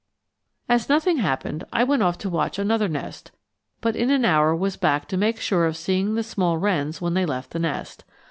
As nothing happened, I went off to watch another nest, but in an hour was back to make sure of seeing the small wrens when they left the nest.